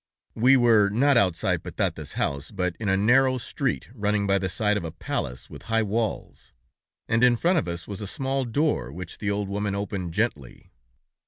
"We were not outside Patata's house, but in a narrow street running by the side of a palace with high walls, and in front of us was a small door, which the old woman opened gently.